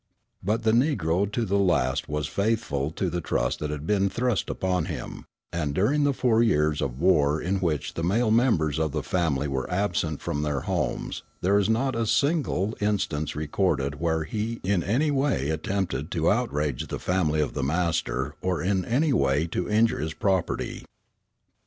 But the Negro to the last was faithful to the trust that had been thrust upon him, and during the four years of war in which the male members of the family were absent from their homes there is not a single instance recorded where he in any way attempted to outrage the family of the master or in any way to injure his property.